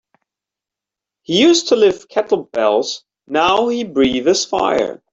He used to lift kettlebells now he breathes fire.